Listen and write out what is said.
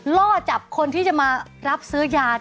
ล่อจับคนที่จะมารับซื้อยา